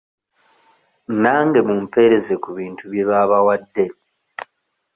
Nange mumpeereze ku bintu bye baabawadde.